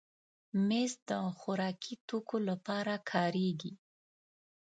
مېز د خوراکي توکو لپاره کارېږي.